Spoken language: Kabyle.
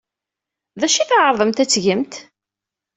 D acu ay tɛerḍemt ad t-tgemt?